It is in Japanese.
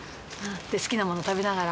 好きなもの食べながら。